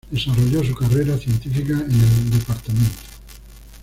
Desarrolló su carrera científica en el "Dto.